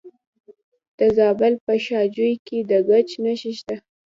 د زابل په شاجوی کې د ګچ نښې شته.